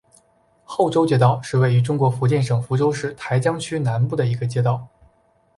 后洲街道是位于中国福建省福州市台江区南部的一个街道。